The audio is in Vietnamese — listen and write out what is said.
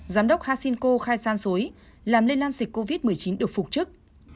giám đốc hasinko khai san sối làm lây lan sịch covid một mươi chín được phục trức